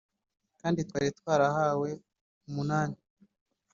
kandi twari twarahawe umunani